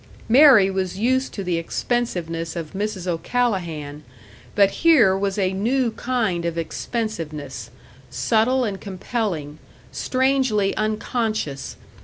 Mary was used to the expensiveness of Mrs. O'Callahan, but here was a new kind of expensiveness, subtle and compelling, strangely unconscious.